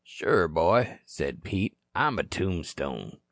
"Sure, boy," said Pete. "I'm a tombstone.